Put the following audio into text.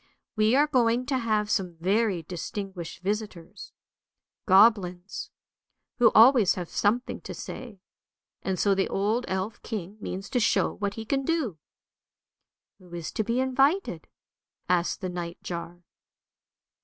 We are going to have some very distinguished visitors, goblins, who always have something to say, and so the old elf king means to show what he can do." " Who is to be invited? " asked the night jar.